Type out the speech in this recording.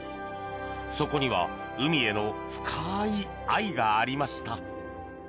そこには海への深い愛がありました。